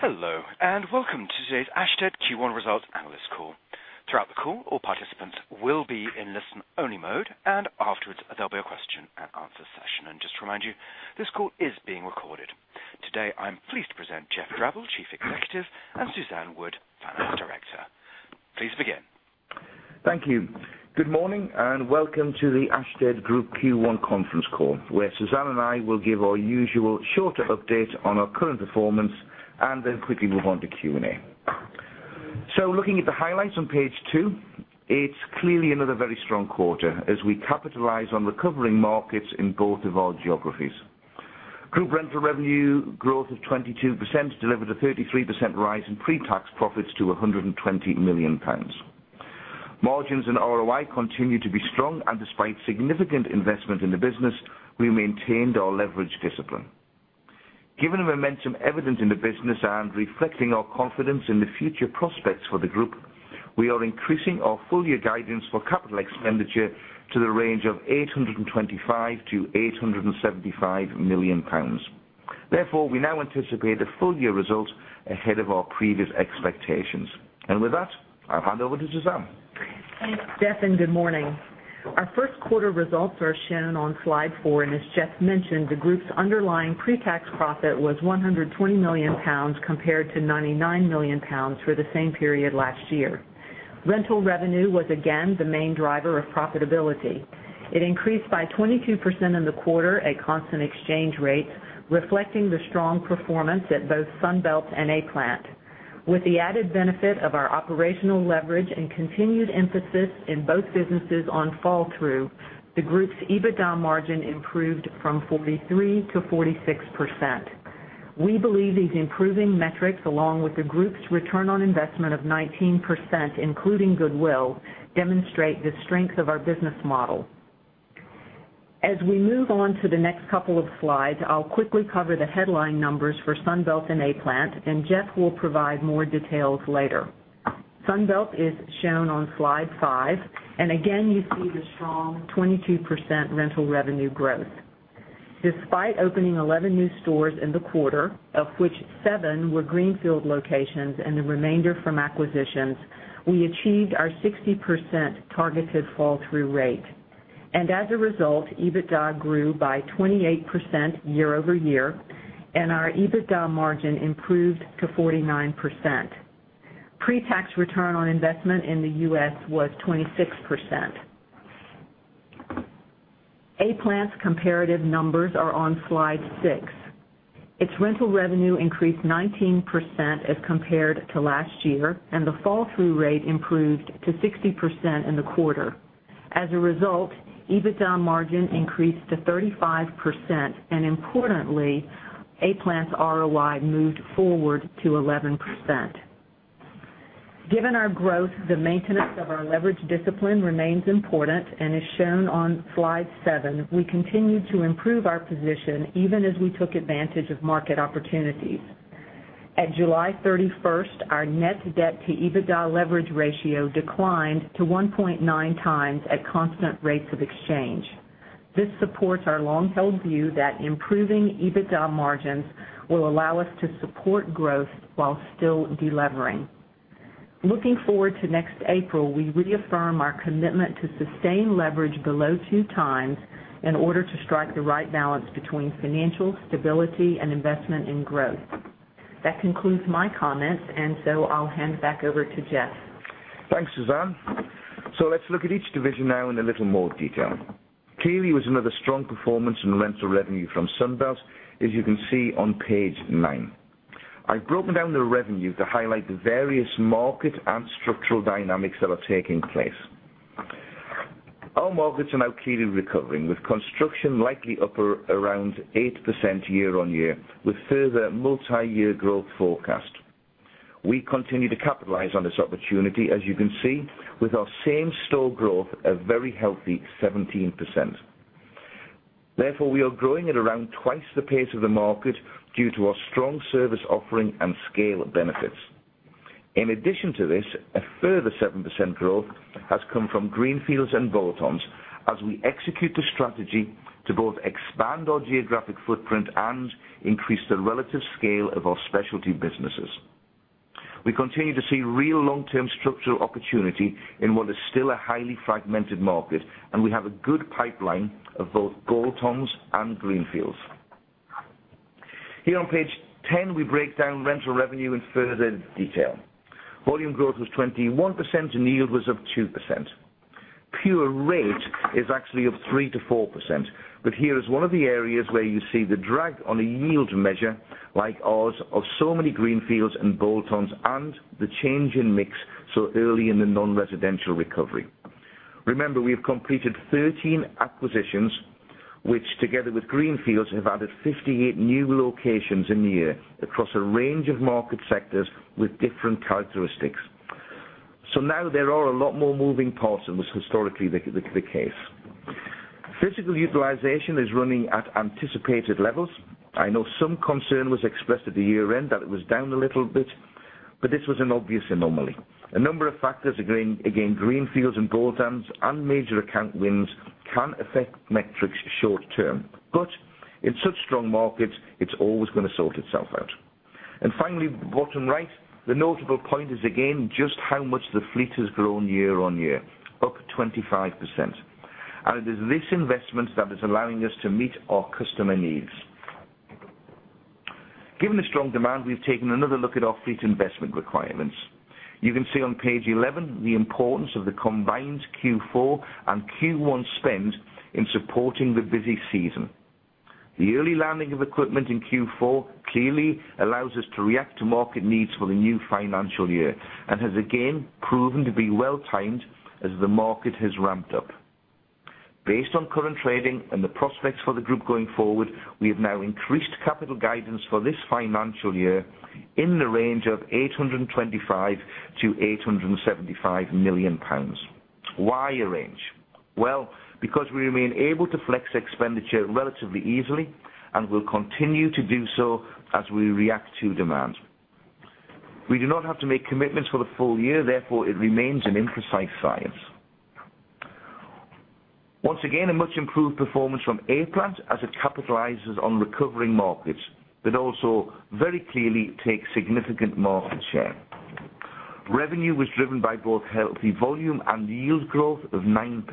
Hello, welcome to today's Ashtead Q1 Results Analyst Call. Throughout the call, all participants will be in listen-only mode. Afterwards, there'll be a question and answer session. Just to remind you, this call is being recorded. Today, I'm pleased to present Geoff Drabble, Chief Executive, and Suzanne Wood, Finance Director. Please begin. Thank you. Good morning, welcome to the Ashtead Group Q1 conference call, where Suzanne and I will give our usual shorter update on our current performance, quickly move on to Q&A. Looking at the highlights on page two, it's clearly another very strong quarter as we capitalize on recovering markets in both of our geographies. Group rental revenue growth of 22% delivered a 33% rise in pre-tax profits to 120 million pounds. Margins and ROI continue to be strong. Despite significant investment in the business, we maintained our leverage discipline. Given the momentum evident in the business, reflecting our confidence in the future prospects for the group, we are increasing our full year guidance for CapEx to the range of 825 million-875 million pounds. Therefore, we now anticipate the full year results ahead of our previous expectations. With that, I'll hand over to Suzanne. Thanks, Geoff. Good morning. Our first quarter results are shown on slide four. As Geoff mentioned, the group's underlying pre-tax profit was 120 million pounds compared to 99 million pounds for the same period last year. Rental revenue was again the main driver of profitability. It increased by 22% in the quarter at constant exchange rates, reflecting the strong performance at both Sunbelt and A-Plant. With the added benefit of our operational leverage, continued emphasis in both businesses on fall through, the group's EBITDA margin improved from 43%-46%. We believe these improving metrics, along with the group's return on investment of 19%, including goodwill, demonstrate the strength of our business model. As we move on to the next couple of slides, I'll quickly cover the headline numbers for Sunbelt and A-Plant. Geoff will provide more details later. Sunbelt is shown on slide five. Again, you see the strong 22% rental revenue growth. Despite opening 11 new stores in the quarter, of which seven were greenfield locations and the remainder from acquisitions, we achieved our 60% targeted fall-through rate. As a result, EBITDA grew by 28% year-over-year, and our EBITDA margin improved to 49%. Pre-tax return on investment in the U.S. was 26%. A-Plant's comparative numbers are on slide six. Its rental revenue increased 19% as compared to last year. The fall-through rate improved to 60% in the quarter. As a result, EBITDA margin increased to 35%. Importantly, A-Plant's ROI moved forward to 11%. Given our growth, the maintenance of our leverage discipline remains important and is shown on slide seven. We continue to improve our position even as we took advantage of market opportunities. At July 31st, our net debt to EBITDA leverage ratio declined to 1.9 times at constant rates of exchange. This supports our long-held view that improving EBITDA margins will allow us to support growth while still de-levering. Looking forward to next April, we reaffirm our commitment to sustain leverage below two times in order to strike the right balance between financial stability and investment in growth. That concludes my comments. I'll hand it back over to Geoff. Thanks, Suzanne. Let's look at each division now in a little more detail. Clearly, it was another strong performance in rental revenue from Sunbelt, as you can see on page nine. I've broken down the revenue to highlight the various market and structural dynamics that are taking place. Our markets are now clearly recovering, with construction likely up around 8% year-on-year, with further multiyear growth forecast. We continue to capitalize on this opportunity, as you can see, with our same store growth, a very healthy 17%. We are growing at around twice the pace of the market due to our strong service offering and scale of benefits. In addition to this, a further 7% growth has come from greenfields and bolt-ons as we execute the strategy to both expand our geographic footprint and increase the relative scale of our specialty businesses. We continue to see real long-term structural opportunity in what is still a highly fragmented market. We have a good pipeline of both bolt-ons and greenfields. Here on page 10, we break down rental revenue in further detail. Volume growth was 21%. Yield was up 2%. Pure rate is actually of 3%-4%. Here is one of the areas where you see the drag on a yield measure like ours of so many greenfields and bolt-ons and the change in mix so early in the non-residential recovery. Remember, we have completed 13 acquisitions, which together with greenfields, have added 58 new locations in the year across a range of market sectors with different characteristics. Now there are a lot more moving parts than was historically the case. Physical utilization is running at anticipated levels. I know some concern was expressed at the year-end that it was down a little bit. This was an obvious anomaly. A number of factors, again, greenfields and bolt-ons and major account wins can affect metrics short-term. In such strong markets, it's always going to sort itself out. Finally, bottom right, the notable point is, again, just how much the fleet has grown year-on-year, up 25%. It is this investment that is allowing us to meet our customer needs. Given the strong demand, we've taken another look at our fleet investment requirements. You can see on page 11 the importance of the combined Q4 and Q1 spend in supporting the busy season. The early landing of equipment in Q4 clearly allows us to react to market needs for the new financial year and has again proven to be well timed as the market has ramped up. Based on current trading and the prospects for the group going forward, we have now increased capital guidance for this financial year in the range of 825 million-875 million pounds. Why a range? Well, because we remain able to flex expenditure relatively easily and will continue to do so as we react to demand. We do not have to make commitments for the full year, therefore it remains an imprecise science. Once again, a much improved performance from A-Plant as it capitalizes on recovering markets, but also very clearly takes significant market share. Revenue was driven by both healthy volume and yield growth of 9%.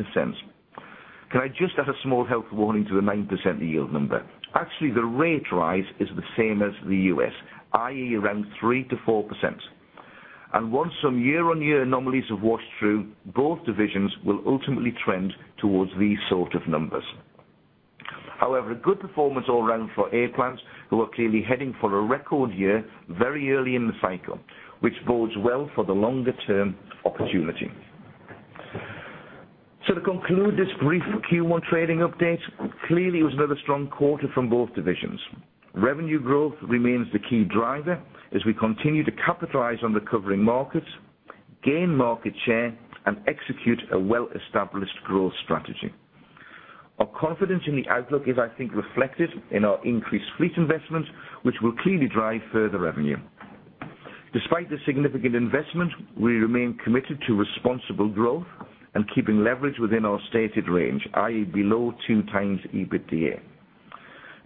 Can I just add a small health warning to the 9% yield number? Actually, the rate rise is the same as the U.S., i.e., around 3%-4%. Once some year-on-year anomalies have washed through, both divisions will ultimately trend towards these sort of numbers. However, a good performance all around for A-Plant, who are clearly heading for a record year very early in the cycle, which bodes well for the longer-term opportunity. To conclude this brief Q1 trading update, clearly it was another strong quarter from both divisions. Revenue growth remains the key driver as we continue to capitalize on recovering markets, gain market share, and execute a well-established growth strategy. Our confidence in the outlook is, I think, reflected in our increased fleet investment, which will clearly drive further revenue. Despite the significant investment, we remain committed to responsible growth and keeping leverage within our stated range, i.e., below two times EBITDA.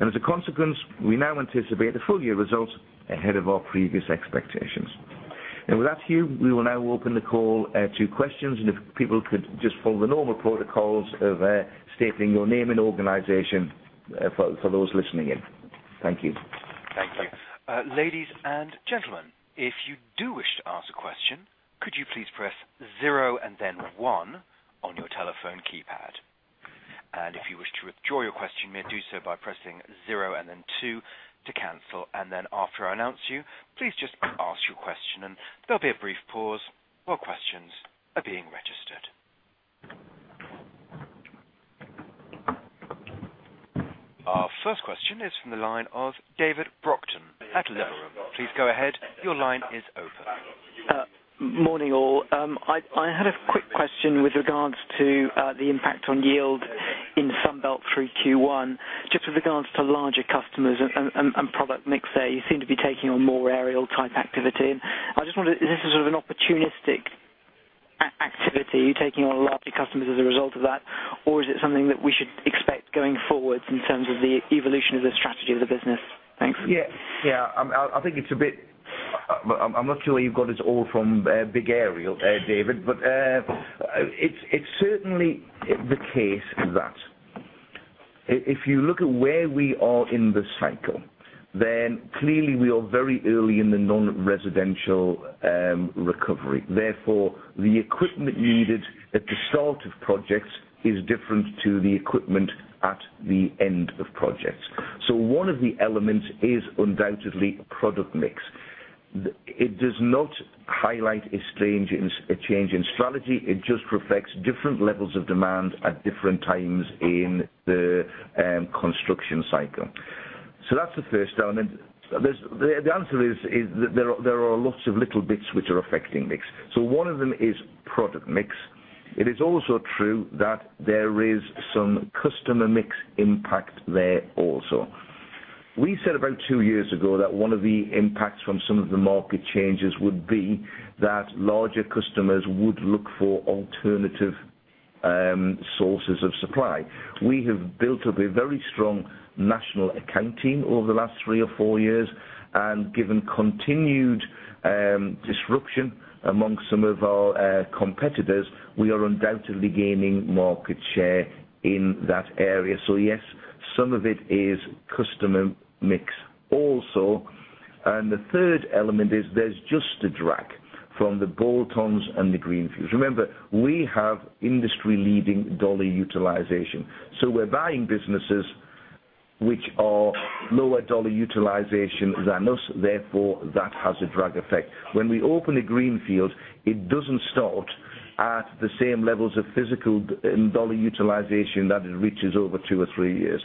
As a consequence, we now anticipate the full year results ahead of our previous expectations. With that, Hugh, we will now open the call to questions, and if people could just follow the normal protocols of stating your name and organization for those listening in. Thank you. Thank you. Ladies and gentlemen, if you do wish to ask a question, could you please press zero and then one on your telephone keypad? If you wish to withdraw your question, you may do so by pressing zero and then two to cancel. Then after I announce you, please just ask your question, and there will be a brief pause while questions are being registered. Our first question is from the line of David Sheridan at Liberum. Please go ahead. Your line is open. Morning, all. I had a quick question with regards to the impact on yield in Sunbelt through Q1, just with regards to larger customers and product mix there. You seem to be taking on more aerial type activity. Is this an opportunistic activity, taking on larger customers as a result of that? Or is it something that we should expect going forward in terms of the evolution of the strategy of the business? Thanks. Yeah. I am not sure where you got it all from, big aerial there, David. It is certainly the case that if you look at where we are in the cycle, then clearly we are very early in the non-residential recovery. Therefore, the equipment needed at the start of projects is different to the equipment at the end of projects. One of the elements is undoubtedly product mix. It does not highlight a change in strategy; it just reflects different levels of demand at different times in the construction cycle. That is the first element. The answer is that there are lots of little bits which are affecting mix. One of them is product mix. It is also true that there is some customer mix impact there also. We said about two years ago that one of the impacts from some of the market changes would be that larger customers would look for alternative sources of supply. We have built up a very strong national account team over the last three or four years, and given continued disruption among some of our competitors, we are undoubtedly gaining market share in that area. Yes, some of it is customer mix also. The third element is there is just a drag from the bolt-ons and the greenfields. Remember, we have industry-leading dollar utilization. We are buying businesses which are lower dollar utilization than us, therefore that has a drag effect. When we open a greenfield, it does not start at the same levels of physical and dollar utilization that it reaches over two or three years.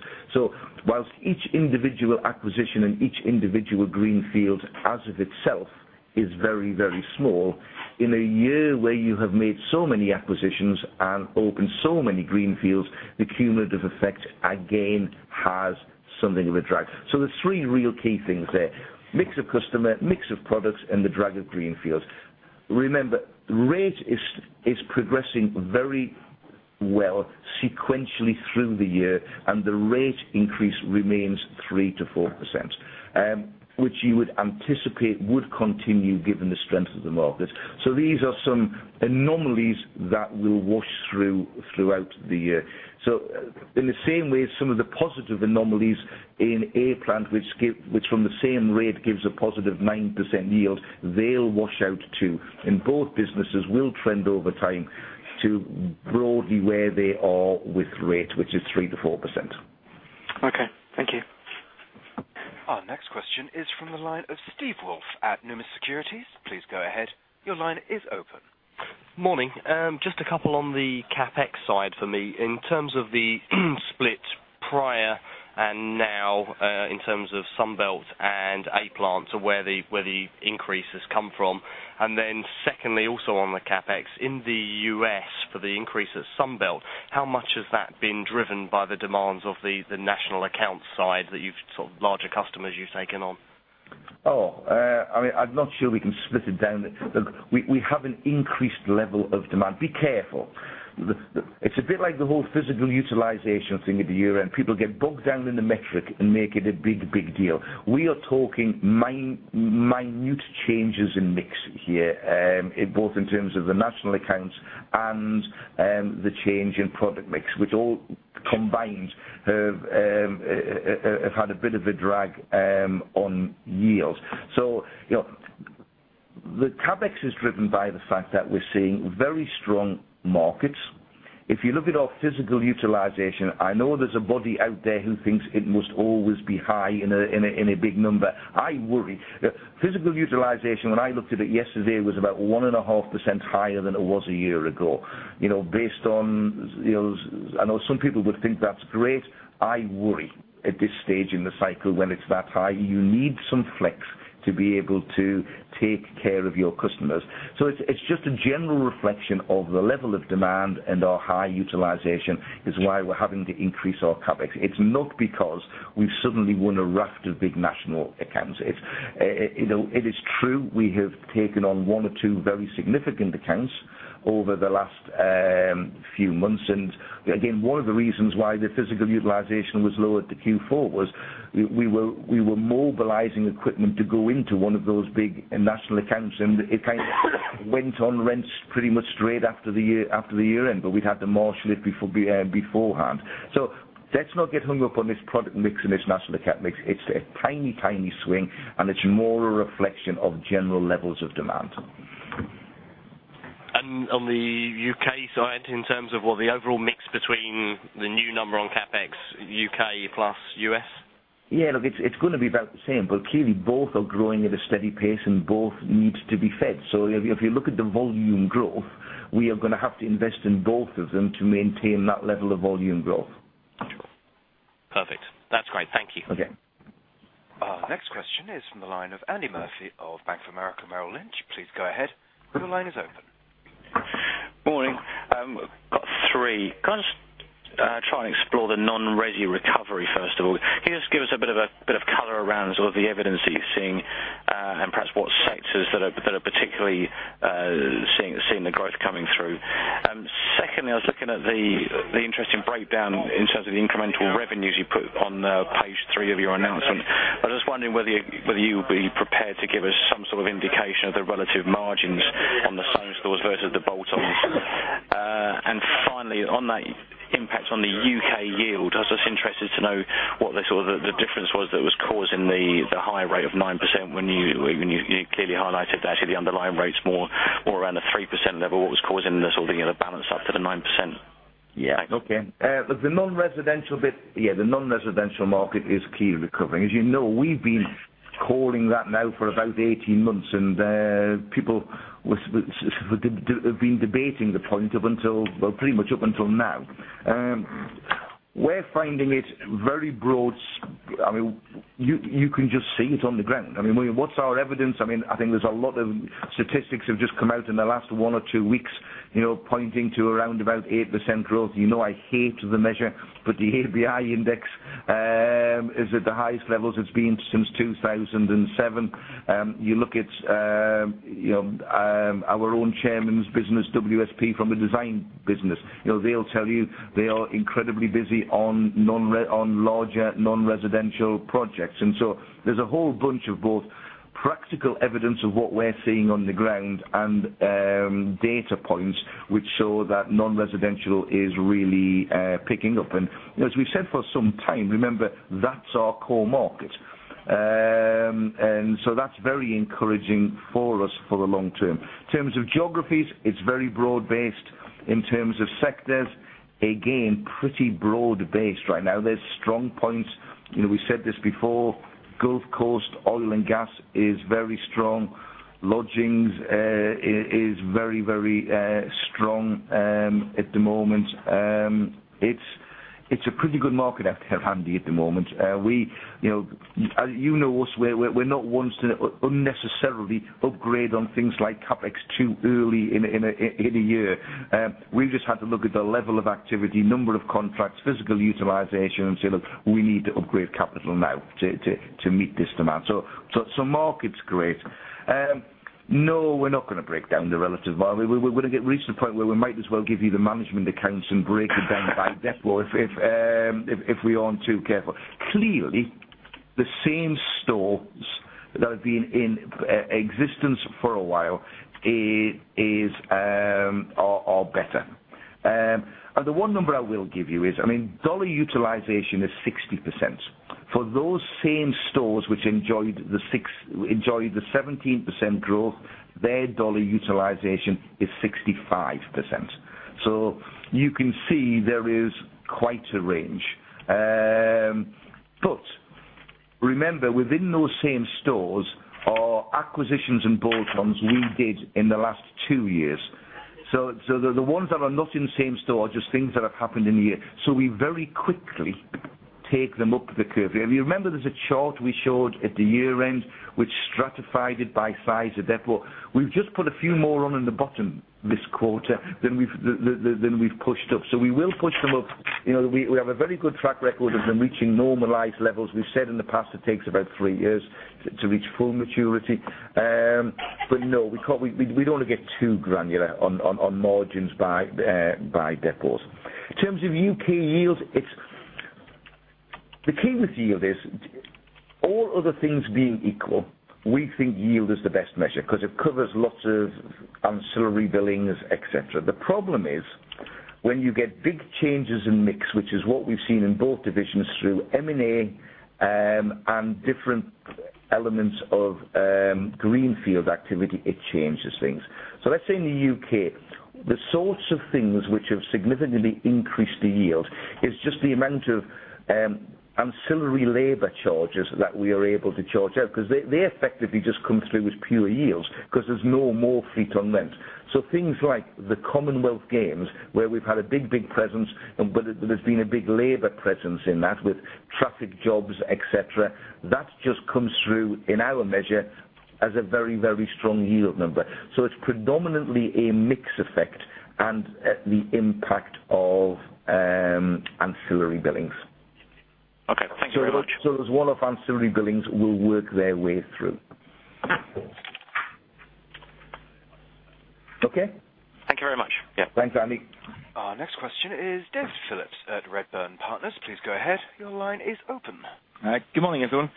Whilst each individual acquisition and each individual greenfield as of itself is very small, in a year where you have made so many acquisitions and opened so many greenfields, the cumulative effect, again, has something of a drag. There's three real key things there. Mix of customer, mix of products, and the drag of greenfields. Remember, rate is progressing very well sequentially through the year, and the rate increase remains 3%-4%, which you would anticipate would continue given the strength of the market. These are some anomalies that will wash through throughout the year. In the same way, some of the positive anomalies in A-Plant, which from the same rate gives a positive 9% yield, they'll wash out too. And both businesses will trend over time to broadly where they are with rate, which is 3%-4%. Okay. Thank you. Our next question is from the line of Steve Woolf at Numis Securities. Please go ahead. Your line is open. Morning. Just a couple on the CapEx side for me. In terms of the split prior and now, in terms of Sunbelt and A-Plant, where the increases come from. Then secondly, also on the CapEx, in the U.S. for the increase at Sunbelt, how much has that been driven by the demands of the national account side that you've sort of larger customers you've taken on? I'm not sure we can split it down. Look, we have an increased level of demand. Be careful. It's a bit like the whole physical utilization thing at the year-end. People get bogged down in the metric and make it a big, big deal. We are talking minute changes in mix here, both in terms of the national accounts and the change in product mix, which all combined have had a bit of a drag on yields. The CapEx is driven by the fact that we're seeing very strong markets. If you look at our physical utilization, I know there's a body out there who thinks it must always be high in a big number. I worry. Physical utilization, when I looked at it yesterday, was about 1.5% higher than it was a year ago. I know some people would think that's great. I worry at this stage in the cycle when it's that high. You need some flex to be able to take care of your customers. It's just a general reflection of the level of demand and our high utilization is why we're having to increase our CapEx. It's not because we've suddenly won a raft of big national accounts. It is true, we have taken on one or two very significant accounts over the last few months. Again, one of the reasons why the physical utilization was lower to Q4 was we were mobilizing equipment to go into one of those big national accounts and it kind of went on rents pretty much straight after the year-end. We'd had to marshal it beforehand. Let's not get hung up on this product mix and this national account mix. It's a tiny swing and it's more a reflection of general levels of demand. On the U.K. side, in terms of what the overall mix between the new number on CapEx, U.K. plus U.S.? Yeah, look, it's going to be about the same. Clearly both are growing at a steady pace and both need to be fed. If you look at the volume growth, we are going to have to invest in both of them to maintain that level of volume growth. Perfect. That's great. Thank you. Okay. Our next question is from the line of Andy Murphy of Bank of America Merrill Lynch. Please go ahead. Your line is open. Morning. Got three. Can I just try and explore the non-resi recovery first of all? Can you just give us a bit of color around sort of the evidence that you're seeing, and perhaps what sectors that are particularly seeing the growth coming through? Secondly, I was looking at the interesting breakdown in terms of the incremental revenues you put on page three of your announcement. I was just wondering whether you would be prepared to give us some sort of indication of the relative margins on the same stores versus the bolt-ons. Finally, on that impact on the U.K. yield, I was just interested to know what the sort of difference was that was causing the high rate of 9% when you clearly highlighted actually the underlying rate's more around the 3% level. What was causing the sort of balance up to the 9%? Yeah. Okay. Look, the non-residential bit, the non-residential market is key recovering. As you know, we've been calling that now for about 18 months, and people have been debating the point well, pretty much up until now. We're finding it very broad. You can just see it on the ground. What's our evidence? I think there's a lot of statistics have just come out in the last one or two weeks pointing to around about 8% growth. You know I hate the measure, but the ABI index is at the highest levels it's been since 2007. You look at our own chairman's business, WSP from a design business. They'll tell you they are incredibly busy on larger non-residential projects. There's a whole bunch of both practical evidence of what we're seeing on the ground and data points which show that non-residential is really picking up. As we've said for some time, remember, that's our core market. That's very encouraging for us for the long term. In terms of geographies, it's very broad based. In terms of sectors, again, pretty broad based right now. There's strong points. We said this before, Gulf Coast oil and gas is very strong. Lodgings is very strong at the moment. It's a pretty good market, Andy, at the moment. You know us, we're not ones to unnecessarily upgrade on things like CapEx too early in a year. We just had to look at the level of activity, number of contracts, physical utilization, and say, "Look, we need to upgrade capital now to meet this demand." Market's great. No, we're not going to break down the relative margin. We're going to reach the point where we might as well give you the management accounts and break it down by depot if we aren't too careful. Clearly, the same stores that have been in existence for a while are better. The one number I will give you is, dollar utilization is 60%. For those same stores which enjoyed the 17% growth, their dollar utilization is 65%. You can see there is quite a range. Remember, within those same stores are acquisitions and bolt-ons we did in the last two years. The ones that are not in the same store are just things that have happened in the year. We very quickly take them up the curve. If you remember, there's a chart we showed at the year-end, which stratified it by size of depot. We've just put a few more on in the bottom this quarter than we've pushed up. We will push them up. We have a very good track record of them reaching normalized levels. We've said in the past it takes about three years to reach full maturity. No, we don't want to get too granular on margins by depots. In terms of U.K. yields, the key with yield is, all other things being equal, we think yield is the best measure because it covers lots of ancillary billings, et cetera. The problem is, when you get big changes in mix, which is what we've seen in both divisions through M&A and different elements of greenfield activity, it changes things. Let's say in the U.K., the sorts of things which have significantly increased the yield is just the amount of ancillary labor charges that we are able to charge out, because they effectively just come through as pure yields because there's no more fleet on rent. Things like the Commonwealth Games, where we've had a big presence, and there's been a big labor presence in that with traffic jobs, et cetera. That just comes through in our measure as a very, very strong yield number. It's predominantly a mix effect and the impact of ancillary billings. Okay. Thank you very much. Those wall-off ancillary billings will work their way through. Okay? Thank you very much. Yeah. Thanks, Andy. Our next question is David Phillips at Redburn Partners. Please go ahead. Your line is open. Good morning, everyone.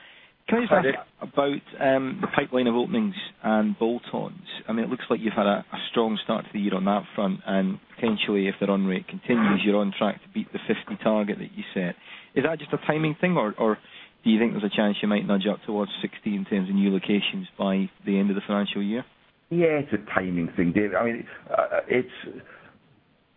Hi, David. Can you tell us about the pipeline of openings and bolt-ons? It looks like you've had a strong start to the year on that front. Potentially, if that run rate continues, you're on track to beat the 50 target that you set. Is that just a timing thing, or do you think there's a chance you might nudge up towards 60 in terms of new locations by the end of the financial year? Yeah, it's a timing thing, David.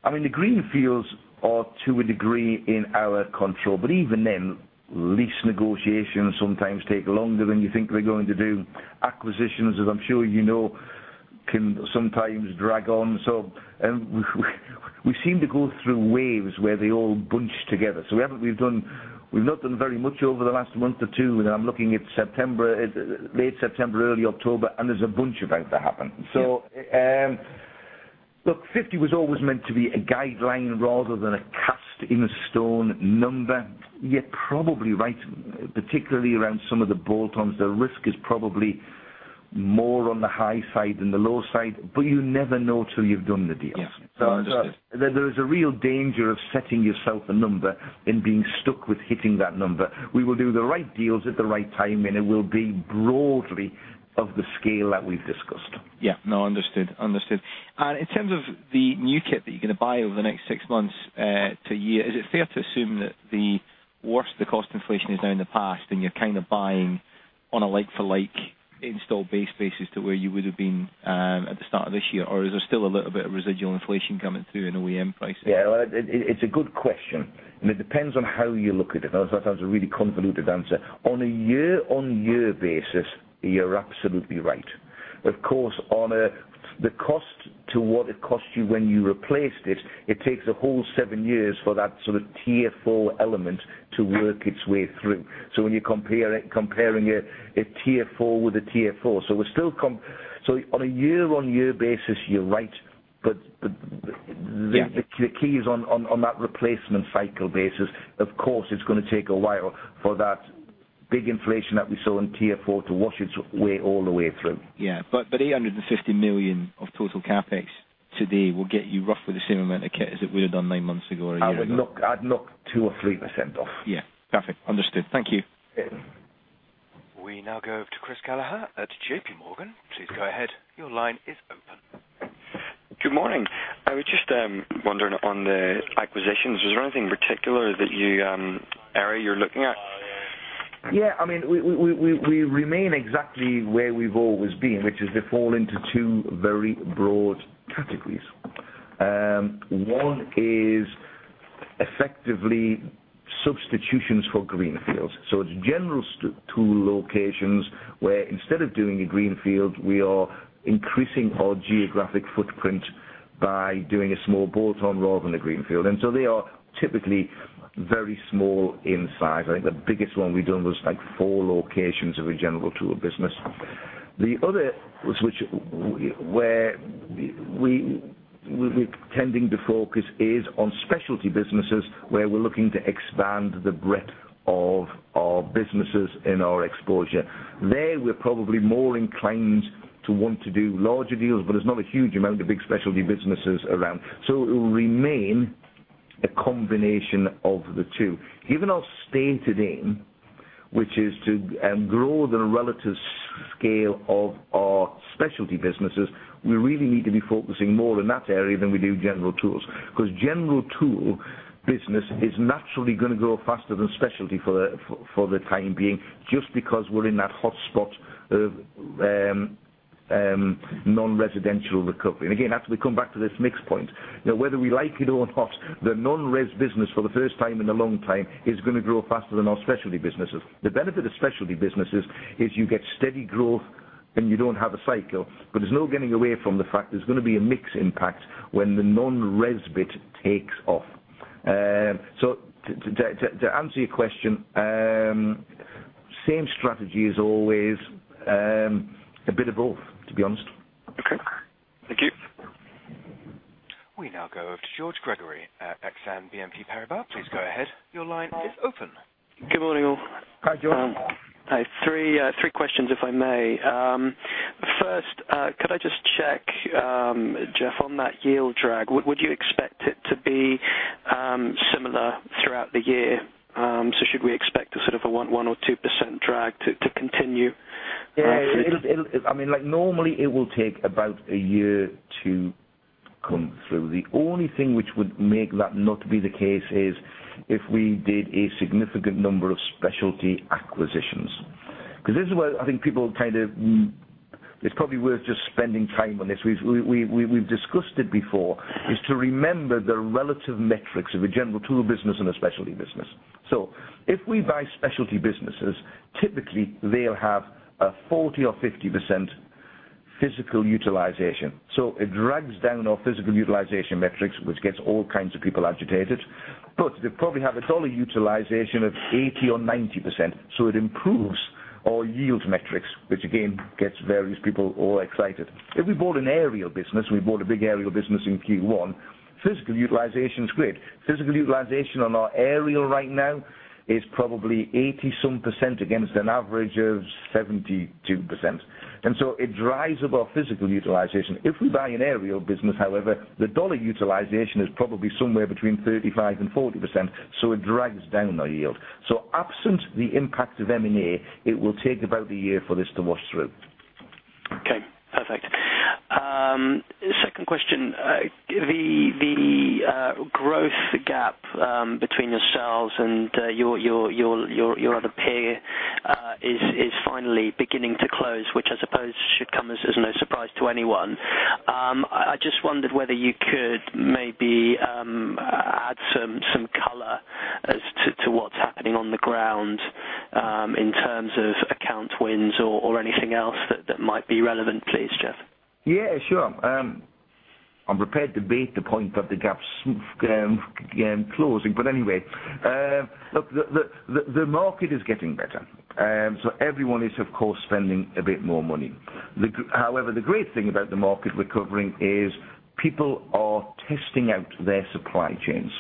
The greenfields are to a degree in our control, but even then, lease negotiations sometimes take longer than you think they're going to do. Acquisitions, as I'm sure you know, can sometimes drag on. We seem to go through waves where they all bunch together. We've not done very much over the last month or two, and I'm looking at late September, early October, and there's a bunch about to happen. Yeah. Look, 50 was always meant to be a guideline rather than a cast-in-stone number. You're probably right, particularly around some of the bolt-ons. The risk is probably more on the high side than the low side, but you never know till you've done the deal. Yeah. No, understood. There is a real danger of setting yourself a number and being stuck with hitting that number. We will do the right deals at the right time, it will be broadly of the scale that we've discussed. Yeah. No, understood. Understood. In terms of the new kit that you're going to buy over the next six months to a year, is it fair to assume that the worse the cost inflation is now in the past and you're kind of buying on a like-for-like install base basis to where you would have been at the start of this year, or is there still a little bit of residual inflation coming through in OEM pricing? Yeah. It's a good question, and it depends on how you look at it. That was a really convoluted answer. On a year-over-year basis, you're absolutely right. Of course, on the cost to what it costs you when you replaced it takes a whole seven years for that sort of Tier 4 element to work its way through. When you're comparing a Tier 4 with a Tier 4. On a year-over-year basis, you're right. Yeah The key is on that replacement cycle basis. Of course, it's going to take a while for that big inflation that we saw in Tier 4 to wash its way all the way through. Yeah. 850 million of total CapEx to-date will get you roughly the same amount of kit as it would have done nine months ago or a year ago. I'd knock 2% or 3% off. Yeah. Perfect. Understood. Thank you. Yeah. We now go over to Chris Gallagher at JP Morgan. Please go ahead. Your line is open. Good morning. I was just wondering on the acquisitions, is there anything particular that you area you're looking at? Yeah. We remain exactly where we've always been, which is they fall into two very broad categories. One is effectively substitutions for greenfields. It's general tool locations where instead of doing a greenfield, we are increasing our geographic footprint by doing a small bolt-on rather than a greenfield. They are typically very small in size. I think the biggest one we've done was four locations of a general tool business. The other was where we're tending to focus is on specialty businesses, where we're looking to expand the breadth of our businesses and our exposure. There, we're probably more inclined to want to do larger deals, there's not a huge amount of big specialty businesses around. It will remain a combination of the two. Given our stated aim, which is to grow the relative scale of our specialty businesses, we really need to be focusing more in that area than we do general tools, because general tool business is naturally going to grow faster than specialty for the time being, just because we're in that hotspot of non-residential recovery. Again, actually, come back to this mix point. Whether we like it or not, the non-res business for the first time in a long time is going to grow faster than our specialty businesses. The benefit of specialty businesses is you get steady growth, and you don't have a cycle. There's no getting away from the fact there's going to be a mix impact when the non-res bit takes off. To answer your question, same strategy as always, a bit of both, to be honest. Okay. Thank you. We now go over to George Gregory at Exane BNP Paribas. Please go ahead. Your line is open. Good morning, all. Hi, George. Hi. Three questions, if I may. First, could I just check, Geoff, on that yield drag. Would you expect it to be similar throughout the year? Should we expect a sort of a 1% or 2% drag to continue through? Normally, it will take about a year to come through. The only thing which would make that not be the case is if we did a significant number of specialty acquisitions. It is probably worth just spending time on this. We have discussed it before, to remember the relative metrics of a general tool business and a specialty business. If we buy specialty businesses, typically they will have 40% or 50% physical utilization. It drags down our physical utilization metrics, which gets all kinds of people agitated. They probably have a dollar utilization of 80% or 90%, so it improves our yield metrics, which again, gets various people all excited. If we bought an aerial business, we bought a big aerial business in Q1, physical utilization is great. Physical utilization on our aerial right now is probably 80-some percent against an average of 72%. It drives up our physical utilization. If we buy an aerial business, however, the dollar utilization is probably somewhere between 35% and 40%, so it drags down our yield. Absent the impact of M&A, it will take about a year for this to wash through. Okay. Perfect. Second question. The growth gap between yourselves and your other peer is finally beginning to close, which I suppose should come as no surprise to anyone. I just wondered whether you could maybe add some color as to what is happening on the ground in terms of account wins or anything else that might be relevant, please, Geoff. Sure. I am prepared to bait the point that the gap is closing, but anyway. Look, the market is getting better. Everyone is, of course, spending a bit more money. However, the great thing about the market recovering is people are testing out their supply chains.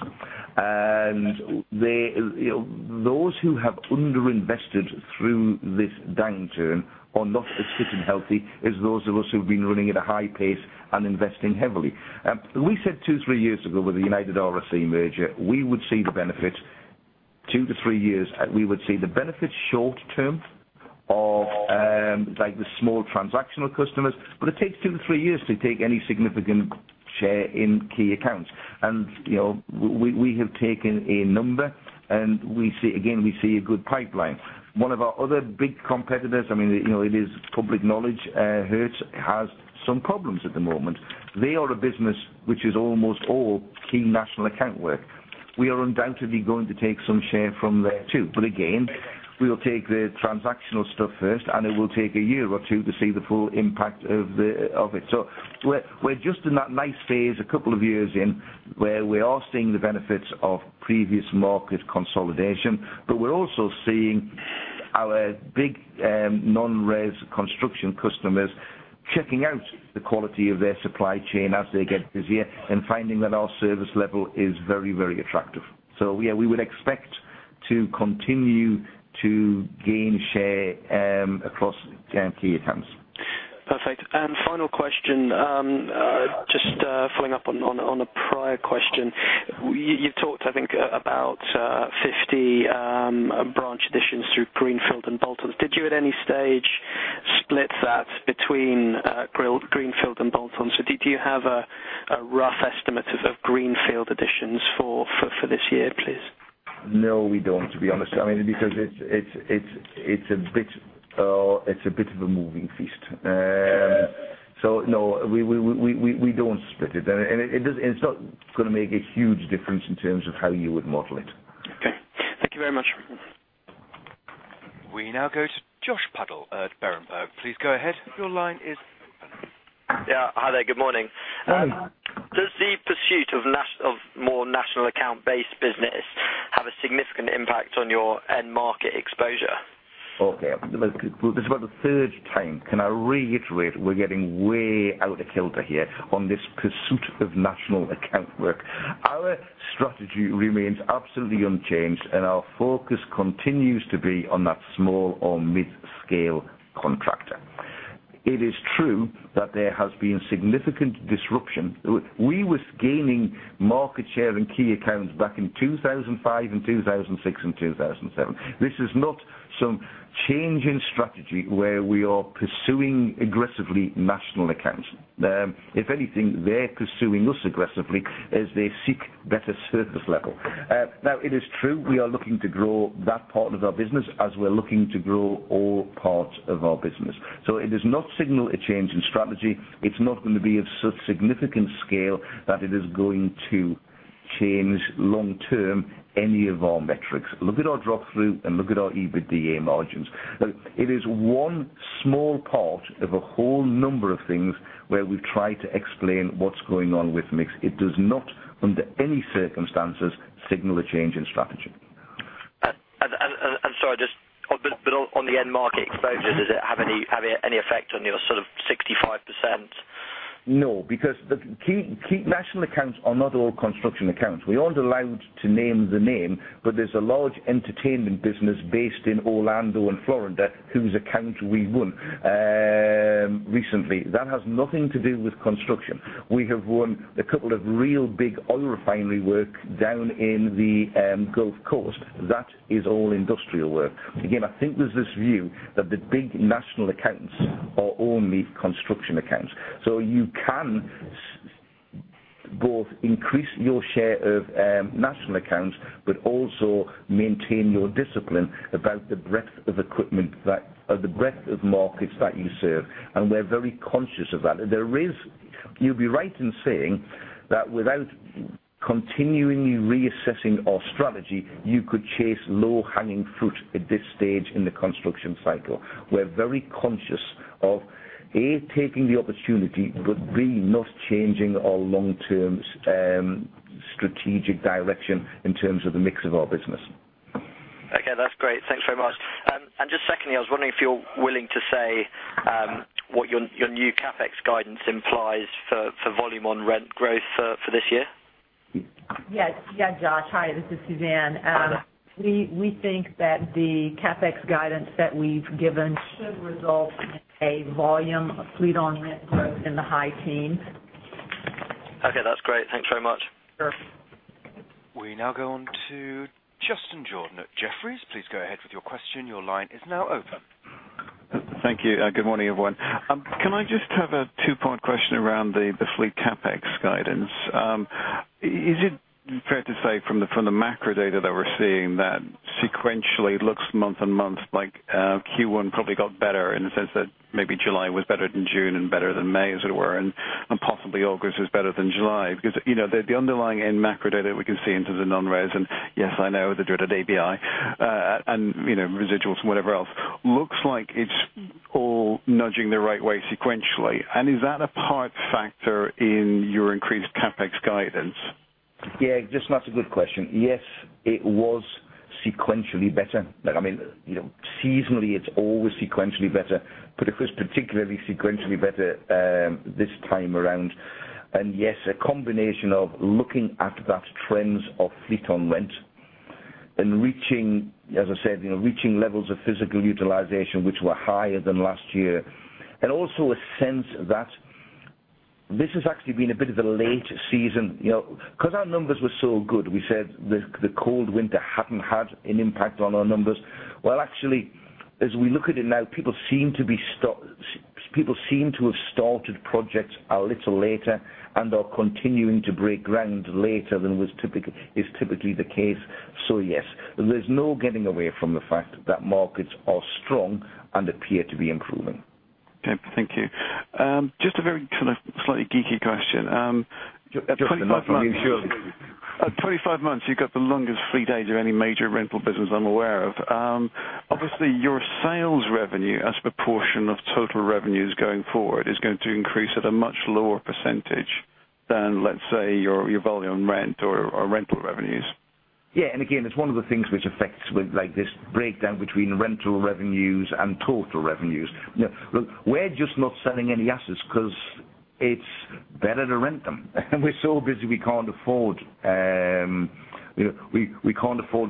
Those who have underinvested through this downturn are not as fit and healthy as those of us who have been running at a high pace and investing heavily. We said two, three years ago with the United RSC merger, we would see the benefit two to three years. We would see the benefit short-term of the small transactional customers, but it takes two to three years to take any significant share in key accounts. We have taken a number and, again, we see a good pipeline. One of our other big competitors, it is public knowledge, Hertz has some problems at the moment. They are a business which is almost all key national account work. We are undoubtedly going to take some share from there, too. Again, we'll take the transactional stuff first, and it will take a year or two to see the full impact of it. We're just in that nice phase, a couple of years in, where we are seeing the benefits of previous market consolidation, but we're also seeing our big non-res construction customers checking out the quality of their supply chain as they get busier and finding that our service level is very, very attractive. Yeah, we would expect to continue to gain share across key accounts. Perfect. Final question, just following up on a prior question. You talked, I think, about 50 branch additions through greenfield and bolt-ons. Did you at any stage split that between greenfield and bolt-ons? Do you have a rough estimate of greenfield additions for this year, please? No, we don't, to be honest. It's a bit of a moving feast. No, we don't split it. It's not going to make a huge difference in terms of how you would model it. Okay. Thank you very much. We now go to Josh Puddle at Berenberg. Please go ahead. Your line is open. Yeah. Hi there. Good morning. Hi. Does the pursuit of more national account-based business Significant impact on your end market exposure? Okay. This is about the third time. Can I reiterate, we're getting way out of kilter here on this pursuit of national account work. Our strategy remains absolutely unchanged, our focus continues to be on that small or mid-scale contractor. It is true that there has been significant disruption. We were gaining market share and key accounts back in 2005 and 2006 and 2007. This is not some change in strategy where we are pursuing aggressively national accounts. If anything, they're pursuing us aggressively as they seek better service level. It is true, we are looking to grow that part of our business as we're looking to grow all parts of our business. It does not signal a change in strategy. It's not going to be of such significant scale that it is going to change long term any of our metrics. Look at our drop-through and look at our EBITDA margins. Look, it is one small part of a whole number of things where we've tried to explain what's going on with mix. It does not, under any circumstances, signal a change in strategy. Sorry, just on the end market exposure, does it have any effect on your 65%? No, because national accounts are not all construction accounts. We aren't allowed to name the name, but there's a large entertainment business based in Orlando and Florida whose account we won recently. That has nothing to do with construction. We have won a couple of real big oil refinery work down in the Gulf Coast. That is all industrial work. Again, I think there's this view that the big national accounts are only construction accounts. You can both increase your share of national accounts, but also maintain your discipline about the breadth of markets that you serve. We're very conscious of that. You'd be right in saying that without continually reassessing our strategy, you could chase low-hanging fruit at this stage in the construction cycle. We're very conscious of, A, taking the opportunity, but B, not changing our long-term strategic direction in terms of the mix of our business. Okay, that's great. Thanks very much. Just secondly, I was wondering if you're willing to say what your new CapEx guidance implies for volume on rent growth for this year? Yes, Josh. Hi, this is Suzanne. We think that the CapEx guidance that we've given should result in a volume fleet on rent growth in the high teens. Okay, that's great. Thanks very much. Sure. We now go on to Justin Jordan at Jefferies. Please go ahead with your question. Your line is now open. Thank you. Good morning, everyone. Can I just have a two-part question around the fleet CapEx guidance? Is it fair to say from the macro data that we're seeing that sequentially looks month-on-month like Q1 probably got better in the sense that maybe July was better than June and better than May, as it were, and possibly August was better than July? The underlying end macro data we can see into the non-res, and yes, I know the dreaded ABI, and residuals and whatever else, looks like it's all nudging the right way sequentially. Is that a part factor in your increased CapEx guidance? Yeah, Justin, that's a good question. Yes, it was sequentially better. Seasonally, it's always sequentially better, but it was particularly sequentially better this time around. Yes, a combination of looking at that trends of fleet on rent and reaching, as I said, reaching levels of physical utilization which were higher than last year. Also a sense that this has actually been a bit of a late season. Our numbers were so good, we said the cold winter hadn't had an impact on our numbers. Well, actually, as we look at it now, people seem to have started projects a little later and are continuing to break ground later than is typically the case. Yes. There's no getting away from the fact that markets are strong and appear to be improving. Okay, thank you. Just a very kind of slightly geeky question. Just the fact that I'm insured. At 25 months, you've got the longest fleet age of any major rental business I'm aware of. Your sales revenue as a proportion of total revenues going forward is going to increase at a much lower percentage than, let's say, your volume rent or rental revenues. Again, it's one of the things which affects this breakdown between rental revenues and total revenues. We're just not selling any assets because it's better to rent them. We're so busy we can't afford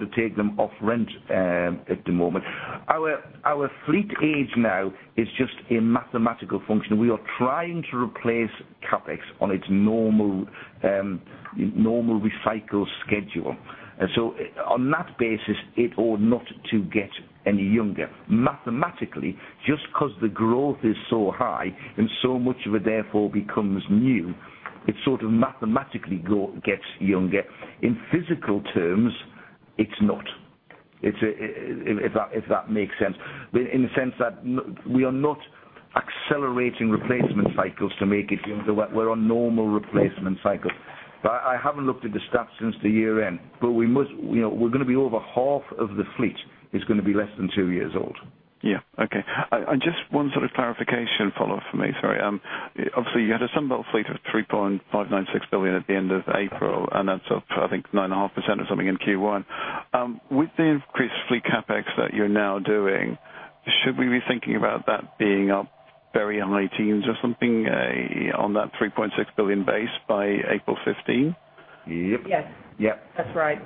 to take them off rent at the moment. Our fleet age now is just a mathematical function. We are trying to replace CapEx on its normal recycle schedule. On that basis, it ought not to get any younger. Mathematically, just because the growth is so high and so much of it therefore becomes new, it sort of mathematically gets younger. In physical terms, it's not, if that makes sense. In the sense that we are not accelerating replacement cycles to make it younger. We're on normal replacement cycles. I haven't looked at the stats since the year end, but we're going to be over half of the fleet is going to be less than two years old. Just one sort of clarification follow-up for me. Sorry. You had a Sunbelt fleet of 3.596 billion at the end of April, and that's up, I think 9.5% or something in Q1. With the increased fleet CapEx that you're now doing, should we be thinking about that being up very high teens or something on that 3.6 billion base by April 2015? Yep. Yes. Yep. That's right.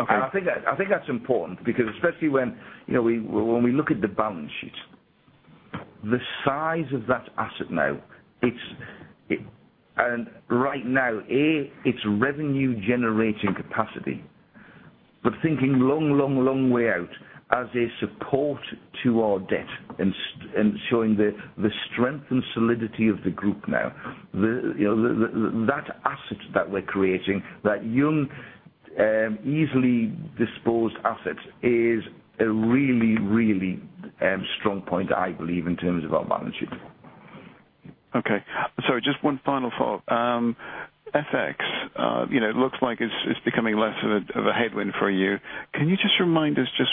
Okay. I think that's important because especially when we look at the balance sheet. The size of that asset now, and right now, its revenue generating capacity. Thinking long, long, long way out, as a support to our debt and showing the strength and solidity of the group now. That asset that we're creating, that young, easily disposed asset is a really strong point, I believe, in terms of our balance sheet. Okay. Sorry, just one final follow-up. FX. It looks like it's becoming less of a headwind for you. Can you just remind us just,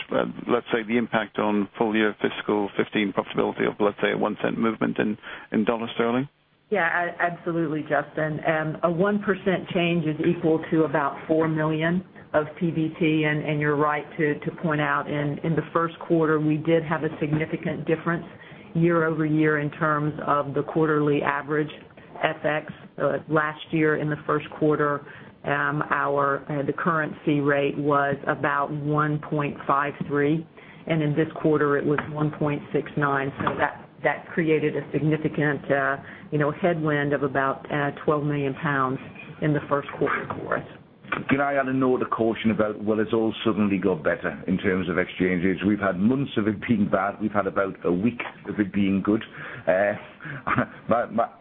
let's say, the impact on full year fiscal 2015 profitability of, let's say, a one cent movement in dollar sterling? Absolutely, Justin. A 1% change is equal to about 4 million of PBT, and you're right to point out, in the first quarter, we did have a significant difference year-over-year in terms of the quarterly average FX. Last year, in the first quarter, the currency rate was about 1.53, and in this quarter, it was 1.69. That created a significant headwind of about 12 million pounds in the first quarter for us. Can I add a note of caution about, well, it's all suddenly got better in terms of exchanges. We've had months of it being bad. We've had about a week of it being good.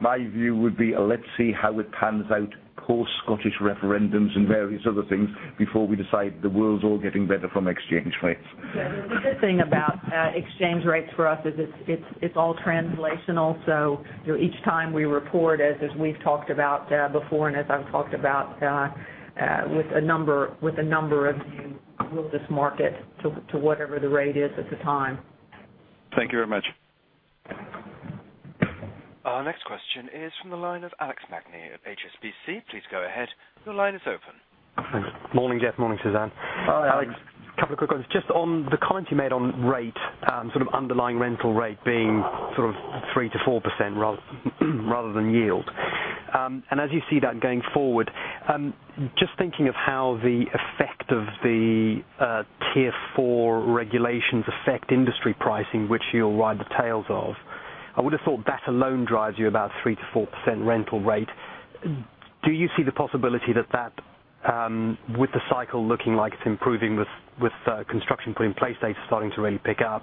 My view would be, let's see how it pans out post Scottish referendum and various other things before we decide the world's all getting better from exchange rates. Yeah. The good thing about exchange rates for us is it's all translational. Each time we report, as we've talked about before and as I've talked about with a number of you, we'll just mark it to whatever the rate is at the time. Thank you very much. Our next question is from the line of Alex Magni of HSBC. Please go ahead. Your line is open. Thanks. Morning, Geoff. Morning, Suzanne. Hi, Alex. Couple of quick ones. Just on the comment you made on rate, sort of underlying rental rate being sort of 3%-4% rather than yield. As you see that going forward, just thinking of how the effect of the Tier 4 regulations affect industry pricing, which you'll ride the tails of. I would have thought that alone drives you about 3%-4% rental rate. Do you see the possibility that that, with the cycle looking like it's improving with construction put in place, data starting to really pick up?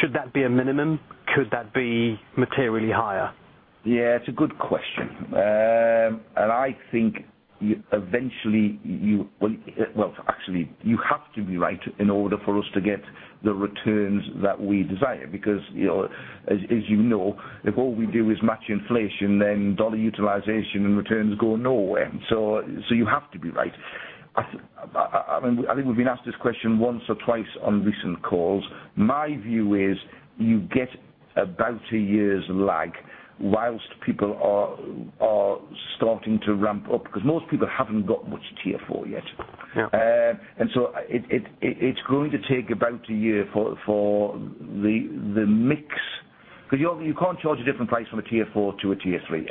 Should that be a minimum? Could that be materially higher? Yeah, it's a good question. I think eventually Well, actually, you have to be right in order for us to get the returns that we desire. As you know, if all we do is match inflation, then dollar utilization and returns go nowhere. You have to be right. I think we've been asked this question once or twice on recent calls. My view is you get about a year's lag whilst people are starting to ramp up, because most people haven't got much Tier 4 yet. Yeah. It's going to take about a year for the mix. Because you can't charge a different price from a Tier 4 to a Tier 3.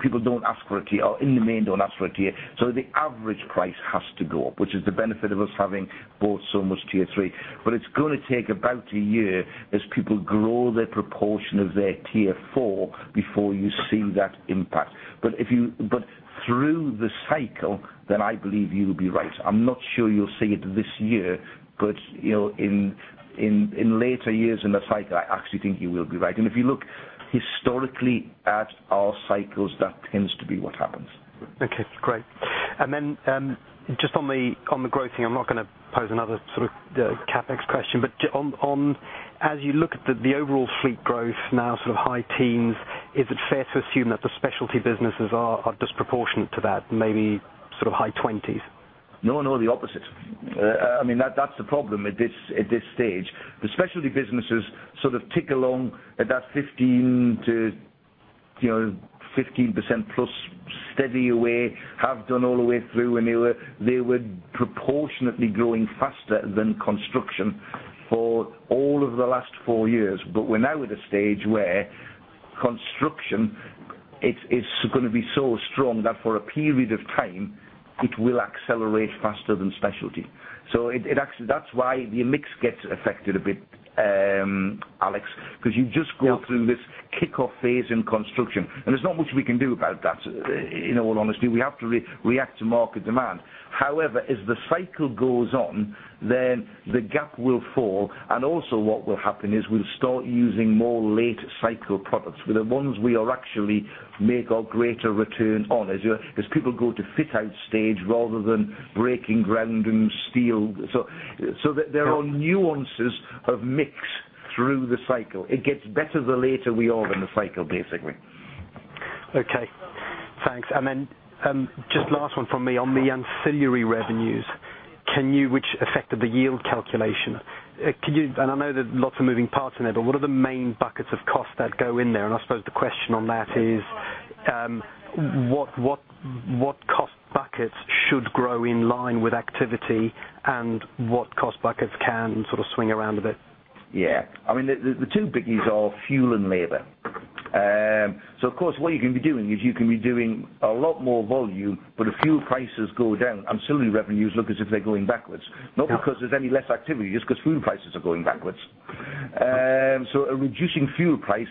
People don't ask for a Tier. In the main, don't ask for a Tier, so the average price has to go up, which is the benefit of us having bought so much Tier 3. It's going to take about a year as people grow their proportion of their Tier 4 before you see that impact. Through the cycle, I believe you'll be right. I'm not sure you'll see it this year, but in later years in the cycle, I actually think you will be right. If you look historically at our cycles, that tends to be what happens. Okay, great. Just on the growth thing, I'm not going to pose another sort of CapEx question, but on as you look at the overall fleet growth now sort of high 10s, is it fair to assume that the specialty businesses are disproportionate to that, maybe sort of high 20s? No. The opposite. That's the problem at this stage. The specialty businesses sort of tick along at that 15%+ steady away, have done all the way through, and they were proportionately growing faster than construction for all of the last four years. We're now at a stage where construction, it's going to be so strong that for a period of time, it will accelerate faster than specialty. That's why your mix gets affected a bit, Alex, because you just go through- Yeah this kickoff phase in construction, there's not much we can do about that, in all honesty. We have to react to market demand. As the cycle goes on, the gap will fall, and also what will happen is we'll start using more late cycle products. The ones we'll actually make our greater return on, as people go to fit out stage rather than breaking ground and steel. There are nuances of mix through the cycle. It gets better the later we are in the cycle, basically. Okay, thanks. Just last one from me. On the ancillary revenues, which affected the yield calculation, and I know there are lots of moving parts in there, but what are the main buckets of cost that go in there? I suppose the question on that is, what cost buckets should grow in line with activity and what cost buckets can sort of swing around a bit? Yeah. The two biggies are fuel and labor. Of course, what you can be doing is you can be doing a lot more volume, but if fuel prices go down, ancillary revenues look as if they're going backwards. Yeah. Not because there's any less activity, just because fuel prices are going backwards. A reducing fuel price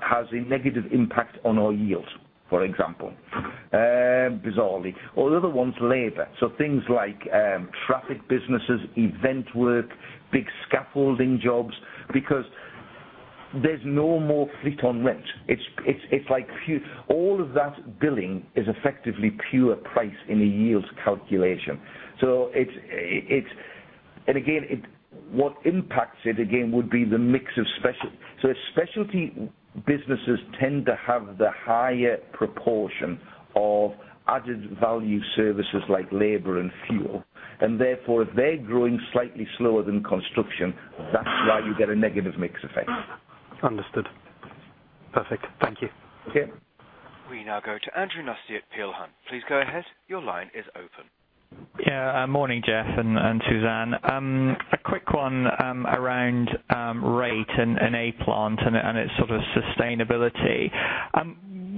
has a negative impact on our yields, for example, bizarrely. The other one's labor. Things like traffic businesses, event work, big scaffolding jobs, because there's no more fleet on rent. All of that billing is effectively pure price in a yields calculation. Again, what impacts it, again, would be the mix of specialty. If specialty businesses tend to have the higher proportion of added value services like labor and fuel, and therefore, if they're growing slightly slower than construction, that's why you get a negative mix effect. Understood. Perfect. Thank you. Okay. We now go to Andrew Nussey at Peel Hunt. Please go ahead. Your line is open. Morning, Geoff and Suzanne. A quick one around rate and A-Plant and its sort of sustainability.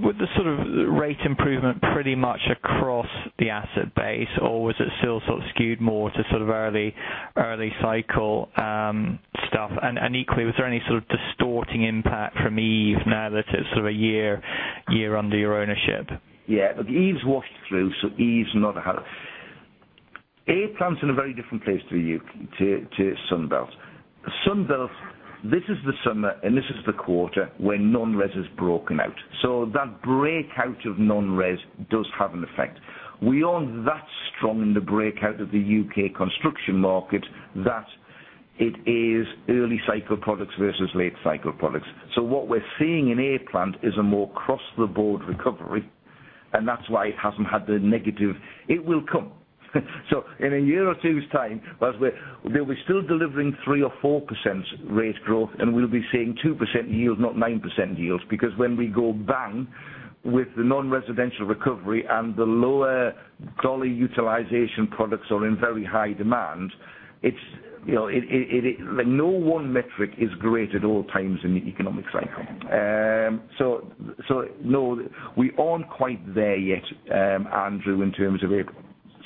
With the sort of rate improvement pretty much across the asset base, or was it still sort of skewed more to sort of early cycle stuff? Equally, was there any sort of distorting impact from Eve Trakway now that it's sort of a year under your ownership? Eve Trakway's washed through. Eve Trakway's not. A-Plant's in a very different place to Sunbelt. Sunbelt, this is the summer, and this is the quarter where non-residential has broken out. That breakout of non-residential does have an effect. We aren't that strong in the breakout of the U.K. construction market that it is early cycle products versus late cycle products. What we're seeing in A-Plant is a more across-the-board recovery, and that's why it hasn't had the negative. It will come. In a year or two's time, they'll be still delivering 3% or 4% rate growth, and we'll be seeing 2% yields, not 9% yields. When we go bang with the non-residential recovery and the lower dollar utilization products are in very high demand, no one metric is great at all times in the economic cycle. No, we aren't quite there yet, Andrew, in terms of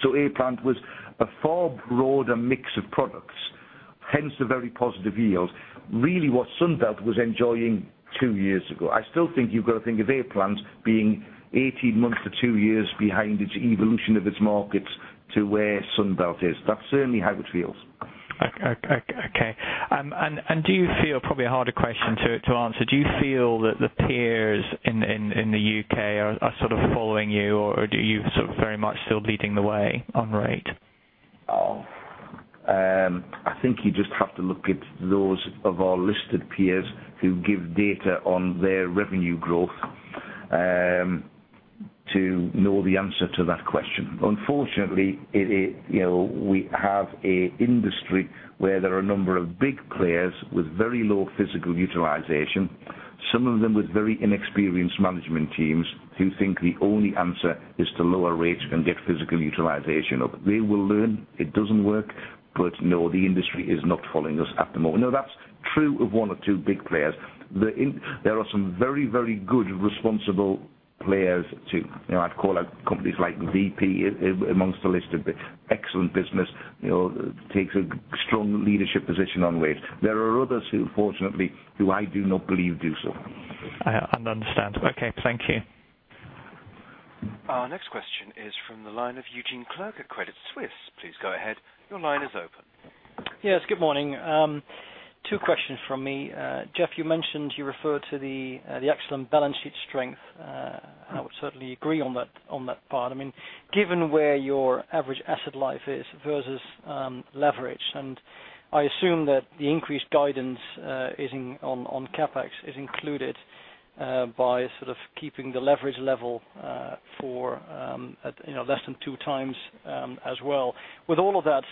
A-Plant. A-Plant was a far broader mix of products, hence the very positive yields, really what Sunbelt was enjoying two years ago. I still think you've got to think of A-Plant being 18 months to two years behind its evolution of its markets to where Sunbelt is. That's certainly how it feels. Okay. Do you feel, probably a harder question to answer, do you feel that the peers in the U.K. are sort of following you, or are you very much still leading the way on rate? I think you just have to look at those of our listed peers who give data on their revenue growth to know the answer to that question. Unfortunately, we have an industry where there are a number of big players with very low physical utilization, some of them with very inexperienced management teams who think the only answer is to lower rates and get physical utilization up. They will learn it doesn't work. No, the industry is not following us at the moment. Now, that's true of one or two big players. There are some very good, responsible players too. I'd call out companies like Vp amongst the list of the excellent business, takes a strong leadership position on rates. There are others who, fortunately, who I do not believe do so. Understandable. Okay, thank you. Our next question is from the line of Eugene Klerk at Credit Suisse. Please go ahead. Your line is open. Yes, good morning. Two questions from me. Geoff, you mentioned you referred to the excellent balance sheet strength. I would certainly agree on that part. Given where your average asset life is versus leverage, and I assume that the increased guidance on CapEx is included by sort of keeping the leverage level for less than 2 times as well. With all of that,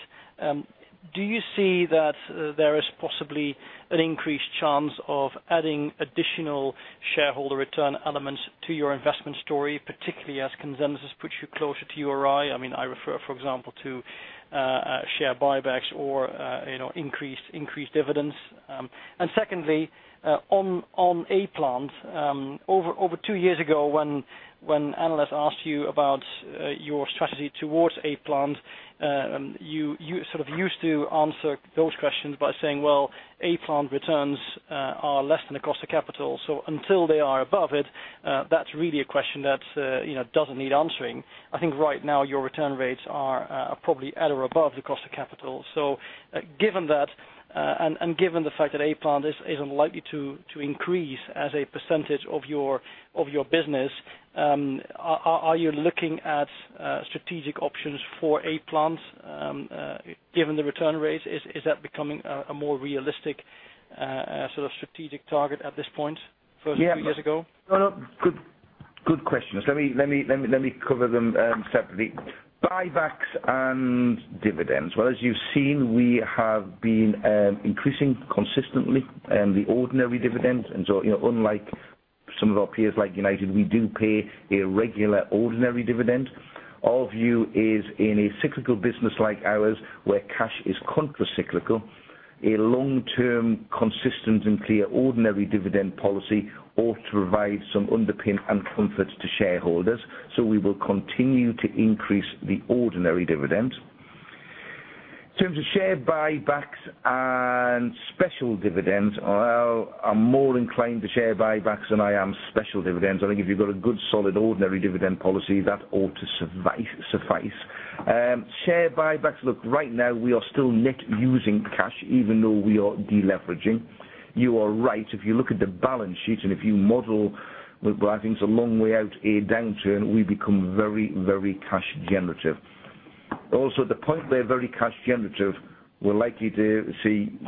do you see that there is possibly an increased chance of adding additional shareholder return elements to your investment story, particularly as consensus puts you closer to your ROI? I refer, for example, to share buybacks or increased dividends. Secondly, on A-Plant, over 2 years ago when analysts asked you about your strategy towards A-Plant, you sort of used to answer those questions by saying, well, A-Plant returns are less than the cost of capital, so until they are above it, that's really a question that doesn't need answering. I think right now your return rates are probably at or above the cost of capital. Given that, and given the fact that A-Plant is unlikely to increase as a percentage of your business, are you looking at strategic options for A-Plant given the return rates? Is that becoming a more realistic a sort of strategic target at this point versus a few years ago? No, no. Good questions. Let me cover them separately. Buybacks and dividends. Well, as you've seen, we have been increasing consistently the ordinary dividend. Unlike some of our peers like United, we do pay a regular ordinary dividend. Our view is in a cyclical business like ours, where cash is contra-cyclical, a long-term, consistent, and clear ordinary dividend policy ought to provide some underpin and comfort to shareholders. We will continue to increase the ordinary dividend. In terms of share buybacks and special dividends, well, I'm more inclined to share buybacks than I am special dividends. I think if you've got a good solid ordinary dividend policy, that ought to suffice. Share buybacks, look, right now we are still net using cash even though we are de-leveraging. You are right. If you look at the balance sheet and if you model, well, I think it's a long way out a downturn, we become very cash generative. Also, the point we're very cash generative, we're likely to see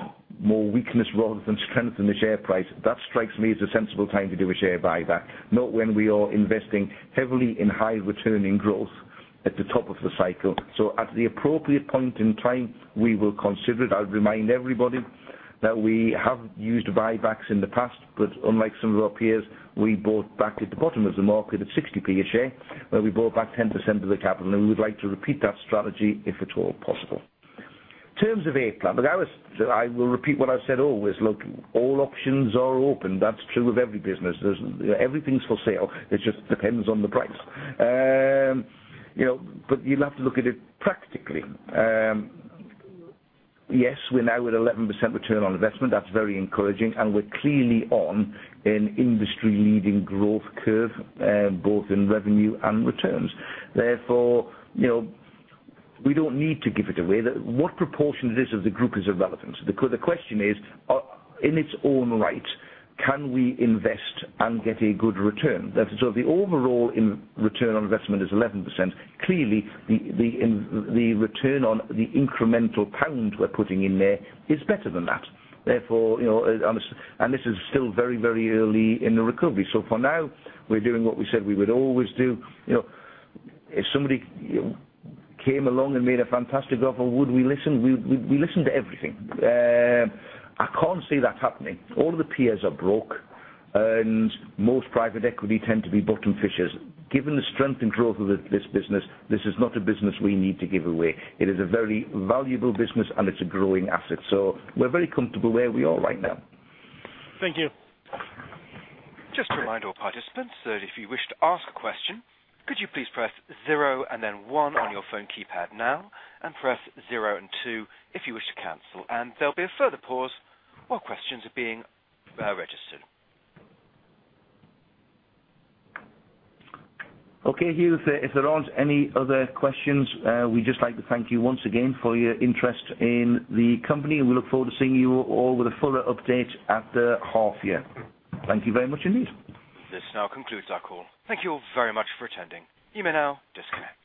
more weakness rather than strength in the share price. That strikes me as a sensible time to do a share buyback, not when we are investing heavily in high returning growth at the top of the cycle. At the appropriate point in time, we will consider it. I would remind everybody that we have used buybacks in the past. Unlike some of our peers, we bought back at the bottom of the market at 0.60 a share, where we bought back 10% of the capital. We would like to repeat that strategy if at all possible. In terms of A-Plant, I will repeat what I've said always. Look, all options are open. That's true of every business. Everything's for sale. It just depends on the price. You'd have to look at it practically. Yes, we're now at 11% ROI. That's very encouraging, and we're clearly on an industry-leading growth curve, both in revenue and returns. We don't need to give it away. What proportion it is of the group is irrelevant. The question is, in its own right, can we invest and get a good return? The overall ROI is 11%. Clearly, the return on the incremental GBP we're putting in there is better than that. This is still very early in the recovery. For now, we're doing what we said we would always do. If somebody came along and made a fantastic offer, would we listen? We listen to everything. I can't see that happening. All the peers are broke, and most private equity tend to be bottom fishers. Given the strength and growth of this business, this is not a business we need to give away. It is a very valuable business, and it's a growing asset. We're very comfortable where we are right now. Thank you. Just a reminder to all participants that if you wish to ask a question, could you please press zero and then one on your phone keypad now, and press zero and two if you wish to cancel. There'll be a further pause while questions are being registered. Okay, Hugh. If there aren't any other questions, we'd just like to thank you once again for your interest in the company. We look forward to seeing you all with a fuller update at the half year. Thank you very much indeed. This now concludes our call. Thank you all very much for attending. You may now disconnect.